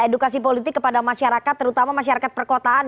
edukasi politik kepada masyarakat terutama masyarakat perkotaan